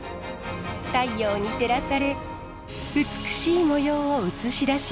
太陽に照らされ美しい模様を映し出します。